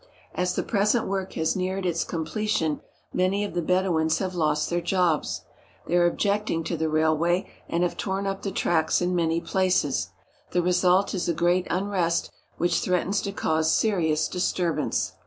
As the present work has neared its completion, many of the Bedouins have lost their jobs. They are ob jecting to the railway and have torn up the tracks in many places. The result is a great unrest which threat ens to cause serious disturbance.